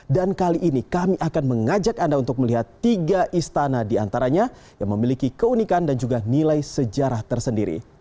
dan kali ini kami akan mengajak anda untuk melihat tiga istana di antaranya yang memiliki keunikan dan juga nilai sejarah tersendiri